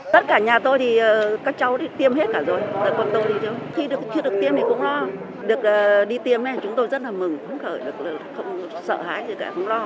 khi chưa được tiêm thì cũng lo được đi tiêm thì chúng tôi rất là mừng phấn khởi sợ hãi không lo